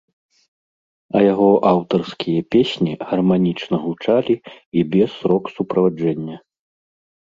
А яго аўтарскія песні гарманічна гучалі і без рок-суправаджэння.